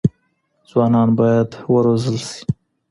ځوانان بايد وروزل سي.